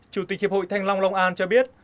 chủ tịch hiệp hội thanh long long an cho biết